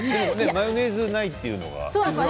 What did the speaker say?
マヨネーズがないというのは？